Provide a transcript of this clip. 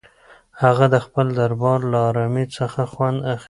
هغه د خپل دربار له ارامۍ څخه خوند اخیست.